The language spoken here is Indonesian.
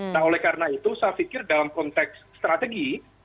nah oleh karena itu saya pikir dalam konteks strategi